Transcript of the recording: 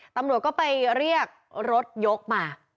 ตำรวจก็ไปเรียกรถยกมา